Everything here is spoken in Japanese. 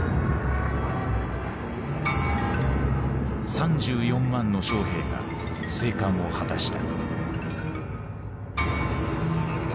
３４万の将兵が生還を果たした。